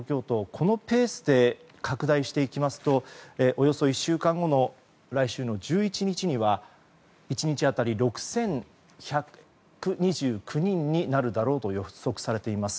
このペースで拡大していきますとおよそ１週間後の来週１１日には１日当たり６１２９人になるだろうと予測されています。